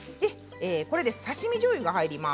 刺身じょうゆが入ります。